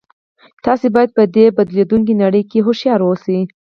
تاسې باید په دې بدلیدونکې نړۍ کې هوښیار اوسئ